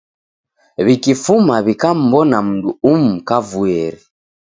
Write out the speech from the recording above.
W'ikifuma w'ikammbona mundu umu kavueri.